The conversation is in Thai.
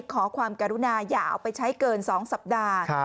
ขอความกรุณาอย่าเอาไปใช้เกิน๒สัปดาห์